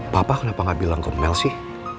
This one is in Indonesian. papa kenapa gak bilang ke mel sih